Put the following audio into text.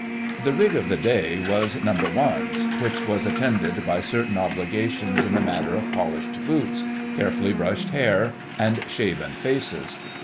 The "Rig of the Day" was "Number Ones," which was attended by certain obligations in the matter of polished boots, carefully brushed hair, and shaven faces.